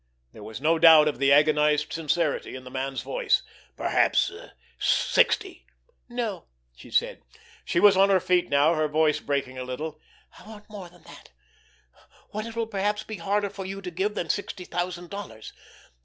There was no doubt of the agonized sincerity in the man's voice. "Perhaps—sixty." "No!" she said. She was on her feet now, her voice breaking a little. "I want more than that—what it will perhaps be harder for you to give than sixty thousand dollars.